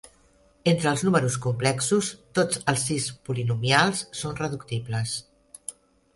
Entre els números complexos, tots els sis polinomials són reductibles.